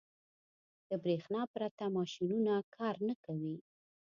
• د برېښنا پرته ماشينونه کار نه کوي.